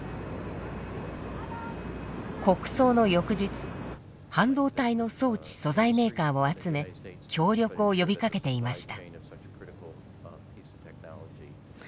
国葬の翌日半導体の装置・素材メーカーを集め協力を呼びかけていました。